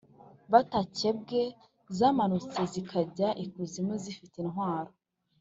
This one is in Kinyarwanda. batakebwe zamanutse zikajya ikuzimu zifite intwaro